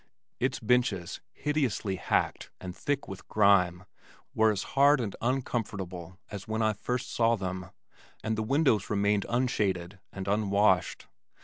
Its benches, hideously hacked and thick with grime, were as hard and uncomfortable as when I first saw them, and the windows remained unshaded and unwashed.